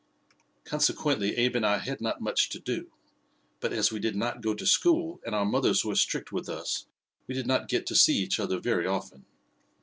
"Consequently Abe and I had not much to do; but, as we did not go to school and our mothers were strict with us, we did not get to see each other very often.